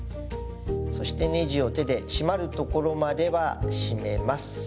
そしてネジを手で締まるところまでは締めます。